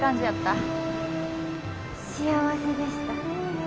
幸せでした。